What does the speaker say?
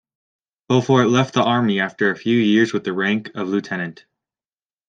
Beaufort left the Army after a few years with the rank of lieutenant.